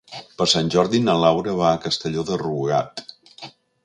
Per Sant Jordi na Laura va a Castelló de Rugat.